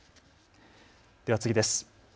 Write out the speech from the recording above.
では次です。